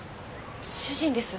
主人です。